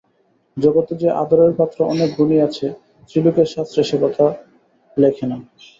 জগতে যে আদরের পাত্র অনেক গুণী আছে, স্ত্রীলোকের শাস্ত্রে সে কথা লেখে না।